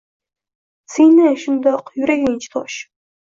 Siynang shundoq… Yuraging-chi, tosh